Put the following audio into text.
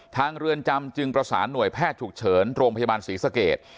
เรือนจำจึงประสานหน่วยแพทย์ฉุกเฉินโรงพยาบาลศรีสเกต